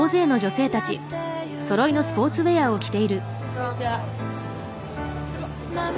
こんにちは。